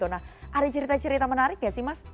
nah ada cerita cerita menarik gak sih mas